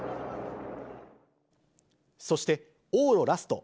そして往路ラスト。